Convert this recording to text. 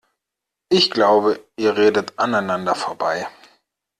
Ich glaube, ihr redet aneinander vorbei.